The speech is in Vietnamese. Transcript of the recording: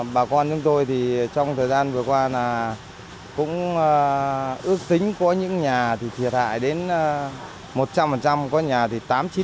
bà con chúng tôi trong thời gian vừa qua cũng ước tính có những nhà thì thiệt hại đến một trăm linh có nhà thì tám chín một mươi